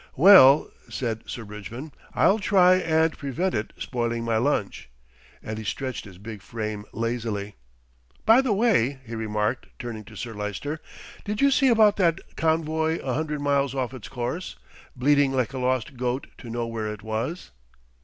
"Well," said Sir Bridgman, "I'll try and prevent it spoiling my lunch," and he stretched his big frame lazily. "By the way," he remarked, turning to Sir Lyster, "did you see about that convoy a hundred miles off its course, bleating like a lost goat to know where it was?"